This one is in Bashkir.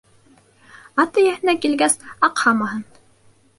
Ат эйәһенә килгәс, аҡһамаһын.